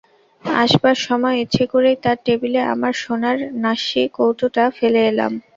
আসবার সময় ইচ্ছে করেই তার টেবিলে আমার সোনার নাস্যি-কৌটোটা ফেলে এলাম।